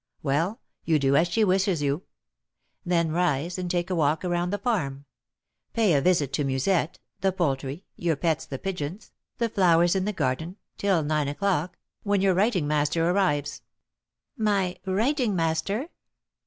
Well, you do as she wishes you; then rise, and take a walk around the farm; pay a visit to Musette, the poultry, your pets the pigeons, the flowers in the garden, till nine o'clock, when your writing master arrives " "My writing master?"